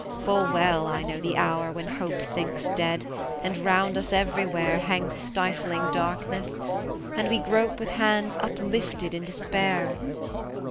Full well I know the hour when hope Sinks dead, and 'round us everywhere Hangs stifling darkness, and we grope With hands uplifted in despair.